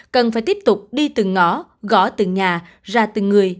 cần phải tiếp tục đi từng ngõ gõ từng nhà ra từng người